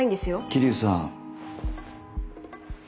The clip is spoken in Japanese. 桐生さん。